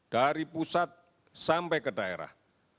dari pusat sampai ke daerah